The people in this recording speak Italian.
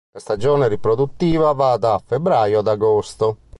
La stagione riproduttiva va da febbraio ad agosto.